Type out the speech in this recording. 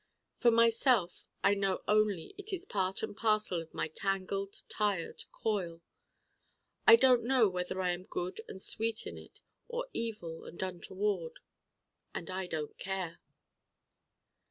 For myself, I know only it is part and parcel in my tangled tired coil. I don't know whether I am good and sweet in it or evil and untoward. And I don't care.